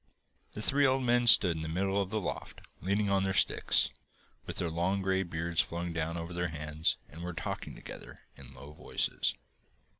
The three old men stood in the middle of the loft, leaning on their sticks, with their long grey beards flowing down over their hands, and were talking together in low voices.